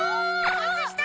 はずした！